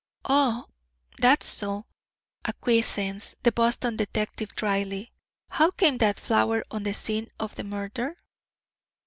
"Ah, that's so!" acquiesced the Boston detective dryly. "How came that flower on the scene of the murder?"